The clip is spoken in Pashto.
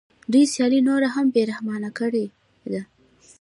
دوی سیالي نوره هم بې رحمانه کړې ده